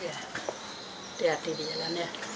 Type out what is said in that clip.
hati hati di jalan ya